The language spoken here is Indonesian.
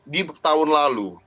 kita lihat di tahun lalu